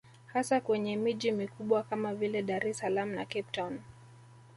Hasa kwenye miji mikubwa kama vile Dar es salaam na Cape town